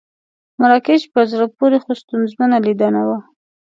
مراکش په زړه پورې خو ستونزمنه لیدنه وه.